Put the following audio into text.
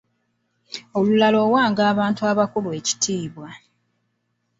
Olulala owanga abantu abakulu ekitiibwa.